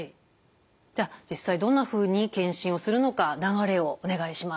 じゃあ実際どんなふうに検診をするのか流れをお願いします。